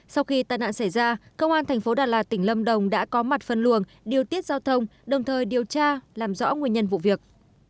sau khi tai nạn xảy ra công an thành phố đà lạt tỉnh lâm đồng đã có mặt phân luồng điều tiết giao thông đồng thời điều tra làm rõ nguyên nhân vụ việc